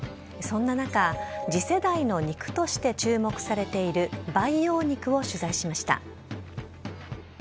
そんな中、次世代の肉として注目されている培養肉を取材しました。